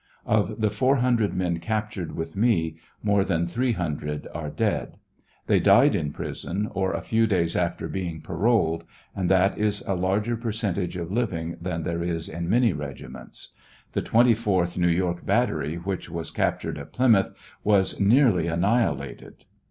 *«*« ot the 400 men captured with me more than 300 are dead ; they died in prison or a few days after being paroled ; and that is a larger percentage of living than there is in many regiments . The 24th New York battery, which was captured at Plymouth, was nearly annihilated.